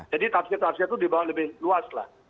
jadi taksir taksir itu dibawa lebih luas lah